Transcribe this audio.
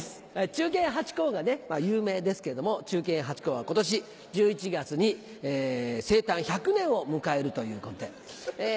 忠犬ハチ公が有名ですけれども忠犬ハチ公は今年１１月に生誕１００年を迎えるということで。